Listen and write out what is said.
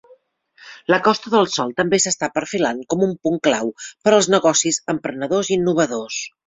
La Costa del Sol també s'està perfilant com a un punt clau per als negocis emprenedors i innovadors.